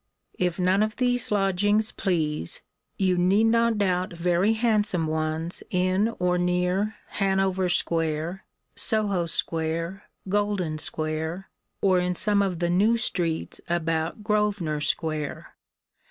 If none of these lodgings please, you need not doubt very handsome ones in or near Hanover square, Soho square, Golden square, or in some of the new streets about Grosvenor square.